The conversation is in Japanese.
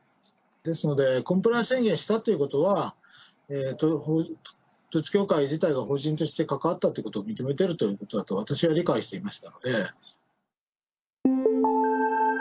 ですので、コンプライアンス宣言したということは、統一教会自体が法人として関わったということを認めているということだと、私は理解していましたので。